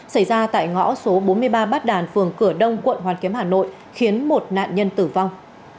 xảy ra tại ngõ số bốn mươi ba bát đàn phường cửa đông quận hoàn kiếm hà nội khiến một nạn nhân tử vong